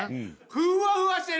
ふわふわしてる。